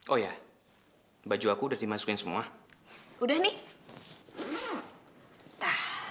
oh ya baju aku udah dimasukin semua udah nih